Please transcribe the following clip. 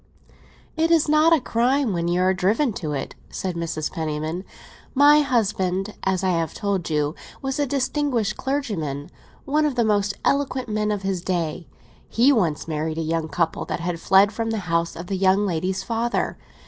"It is not a crime when you are driven to it," said Mrs. Penniman. "My husband, as I have told you, was a distinguished clergyman; one of the most eloquent men of his day. He once married a young couple that had fled from the house of the young lady's father.